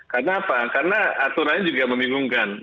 karena apa karena aturannya juga membingungkan